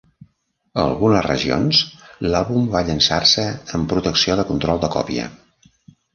A algunes regions l'àlbum va llençar-se amb protecció de control de còpia.